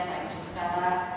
pak yusuf tata